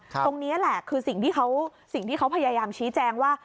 ตรงนี้แหละคือสิ่งที่เขาพยายามชี้แจงว่า